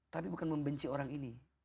tapi bukan membenci orang ini